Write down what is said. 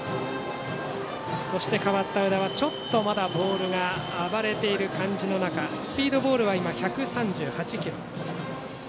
そして代わった宇田はまだボールが荒れている感じがある中スピードボールは１３８キロ。